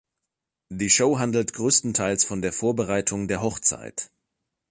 Die Show handelt größtenteils von der Vorbereitung der Hochzeit.